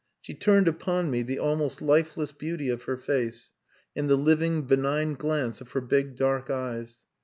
She turned upon me the almost lifeless beauty of her face, and the living benign glance of her big dark eyes.